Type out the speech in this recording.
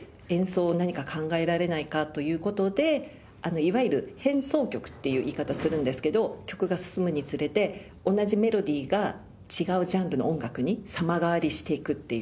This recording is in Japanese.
いわゆる変奏曲っていう言い方するんですけど曲が進むにつれて同じメロディーが違うジャンルの音楽に様変わりしていくっていう。